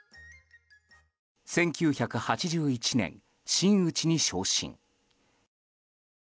１９８１年、真打ちに昇進。